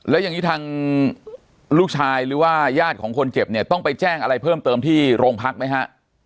แล้วอย่างนี้ทางลูกชายหรือว่าญาติของคนเจ็บเนี่ยต้องไปแจ้งอะไรเพิ่มเติมที่โรงพักไหมฮะ